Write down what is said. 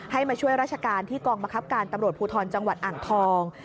มาช่วยราชการที่กองบังคับการตำรวจภูทรจังหวัดอ่างทอง